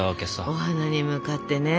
お花に向かってね。